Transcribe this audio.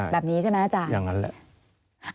แบบนี้ใช่ไหมอาจารย์อย่างนั้นแหละใช่อย่างนั้นแหละ